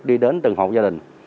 đi đến từng hộp gia đình